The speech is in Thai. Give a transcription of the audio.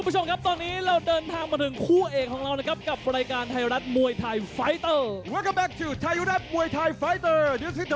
ตอนนี้เราเดินทางมาถึงคู่เอกของเรานะครับกับรายการมวยไทยฟไตเตอร์